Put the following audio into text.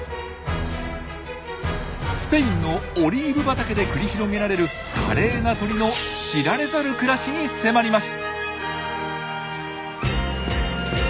スペインのオリーブ畑で繰り広げられる華麗な鳥の知られざる暮らしに迫ります。